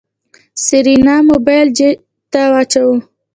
سېرېنا موبايل جېب ته واچوه.